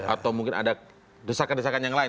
atau mungkin ada desakan desakan yang lain